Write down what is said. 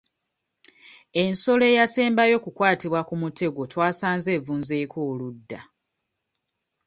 Ensolo eyasembayo okukwattibwa ku mutego twasanze evunzeeko oludda.